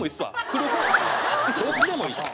クルッどっちでもいい。